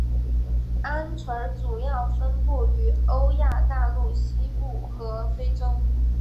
鹌鹑主要分布于欧亚大陆西部和非洲。